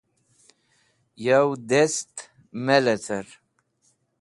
yow dast mãy lecar